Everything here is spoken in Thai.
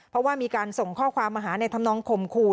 เพราะว่ามีการส่งข้อความมาหาในธรรมนองข่มขู่